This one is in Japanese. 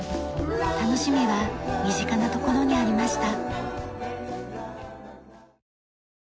楽しみは身近なところにありました。